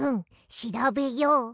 しらべよう。